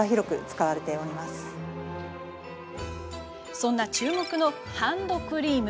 そんな注目のハンドクリーム。